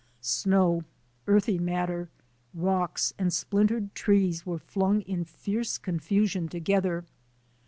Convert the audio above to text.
Snow, earthy matter, rocks, and splintered trees were flung in fierce confusion together.